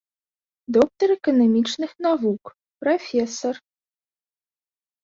Доктар эканамічных навук, прафесар.